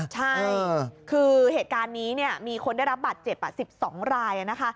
ใช่คือเหตุการณ์นี้มีคนได้รับบัตรเจ็บ๑๒รายนะคะ